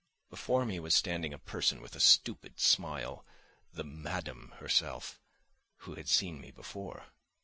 Before me was standing a person with a stupid smile, the "madam" herself, who had seen me before.